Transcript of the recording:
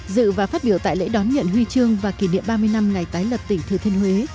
dự và phát biểu tại lễ đón nhận huy chương và kỷ niệm ba mươi năm ngày tái lập tỉnh thừa thiên huế